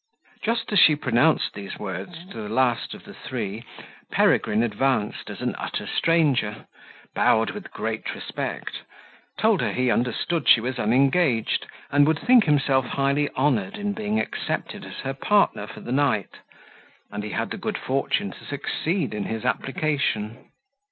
Just as she pronounced these words to the last of the three, Peregrine advanced as an utter stranger, bowed with great respect, told her he understood she was unengaged, and would think himself highly honoured in being accepted as her partner for the night; and he had the good fortune to succeed in his application.